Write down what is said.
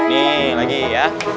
nih lagi ya